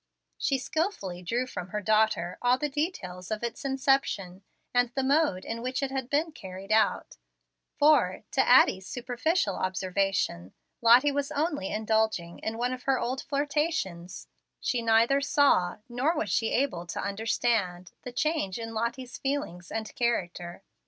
She skilfully drew from her daughter all the details of its inception and the mode in which it had been carried out; for, to Addie's superficial observation, Lottie was only indulging in one of her old flirtations, She neither saw, nor was she able to understand, the change in Lottie's feelings and character.